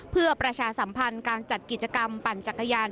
เพื่อประชาสัมพันธ์การจัดกิจกรรมปั่นจักรยาน